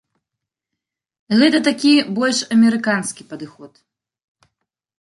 Гэта такі больш амерыканскі падыход.